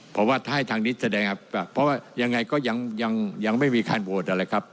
ผมว่าถ้าให้ทางนี้แสดงครับเพราะว่ายังไงก็ยังไม่มีการโหวตอะไรครับ